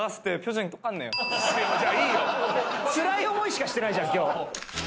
つらい思いしかしてないじゃん今日。